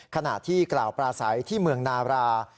ขณะที่กล่าวปราศัยที่เมืองนาบรา